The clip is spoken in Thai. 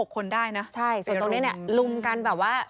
๕๖คนได้นะเป็นรุมใช่ส่วนตรงนี้รุมกันแบบว่า